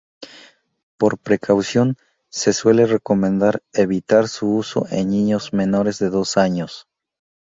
Por precaución, se suele recomendar evitar su uso en niños menores de dos años.